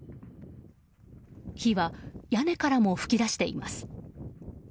火は屋根からも噴き出しています。